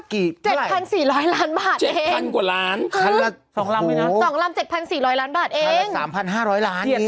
ก็๗๔๐๐ล้านบาทเองคือ๒ลำ๗๔๐๐ล้านบาทเองคือ๓๕๐๐ล้าน